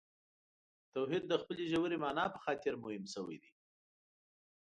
توحید د خپلې ژورې معنا په خاطر مهم شوی دی.